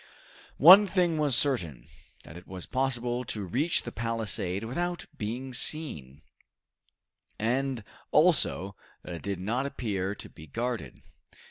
One thing was certain, that it was possible to reach the palisade without being seen, and also that it did not appear to be guarded.